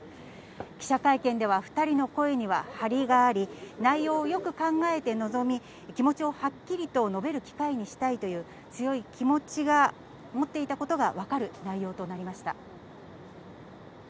記者会見では、２人の声には張りがあり、内容をよく考えて臨み、気持ちをはっきりと述べる機会にしたいという強い気持ちを持っていたことが分かる内容となりました。